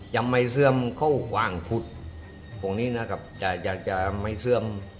จะไม่เสื่อมเข้าความพุทธบุงนี้นะครับจะจะจะไม่เสื่อม